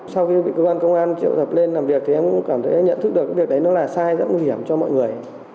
sau khi bị cơ quan công an triệu tập lên làm việc thì em cũng cảm thấy nhận thức được cái việc đấy nó là sai rất nguy hiểm cho mọi người